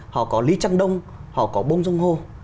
họ có lý trăng đông họ có bông dông hô